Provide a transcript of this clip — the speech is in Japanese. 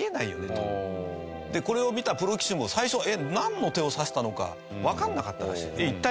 これを見たプロ棋士も最初なんの手を指したのかわかんなかったらしい。